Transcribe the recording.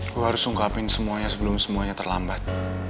gue harus ungkapin semuanya sebelum semuanya terlambat